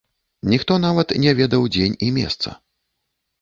Ніхто нават не ведаў дзень і месца.